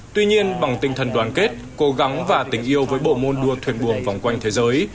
tuy nhiên bằng tinh thần đoàn kết cố gắng và tình yêu với bộ môn đua thuyền buồm vòng quanh thế giới